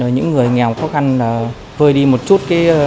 những người nghèo khó khăn vơi đi một chút